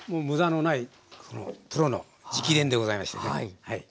無駄のないプロの直伝でございましてね。